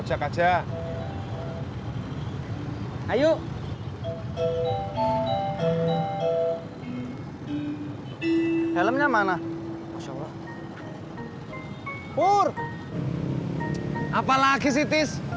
apa lagi sih tis